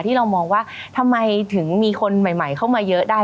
ที่เรามองว่าทำไมถึงมีคนใหม่เข้ามาเยอะได้